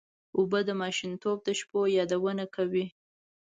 اوبه د ماشومتوب د شپو یادونه کوي.